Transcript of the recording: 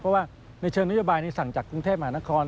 เพราะว่าในเชิงนโยบายนี้สั่งจากกรุงเทพมหานคร